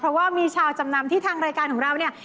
เพราะว่ามีชาวจำนำที่ทางรายการของเราเนี่ย